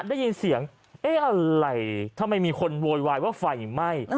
ได้ยินเสียงเอ๊ะอะไรทำไมมีคนโวยวายว่าไฟไหม้